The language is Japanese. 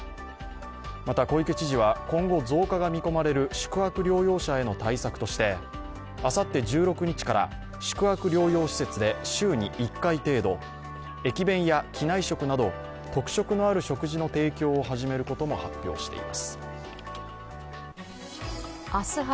また、小池知事は今後増加が見込まれる宿泊療養者への対策として、あさって１６日から宿泊療養施設で週に１回程度、駅弁や機内食など特色のある食事の提供を始めることも発表しています。